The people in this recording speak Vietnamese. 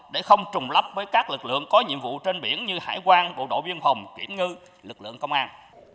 để không trùng lắp với các lực lượng có nhiệm vụ trên biển như hải quan bộ đội biên phòng kiểm ngư lực lượng công an